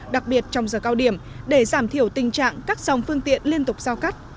đặc biệt trong giờ cao điểm để giảm thiểu tình trạng các dòng phương tiện liên tục giao cắt